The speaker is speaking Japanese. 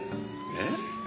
えっ？